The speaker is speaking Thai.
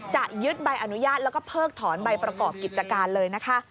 จะยึดใบอนุญาตแล้วก็เพิกถอนใบประกอบกิจการเลยนะคะ